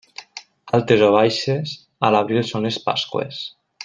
Altes o baixes, a l'abril són les Pasqües.